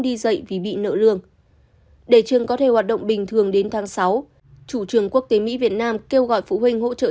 đi dạy vì bị nợ lương để trường có thể hoạt động bình thường đến tháng sáu chủ trường quốc tế mỹ việt nam kêu gọi phụ huynh tự tập đòi nợ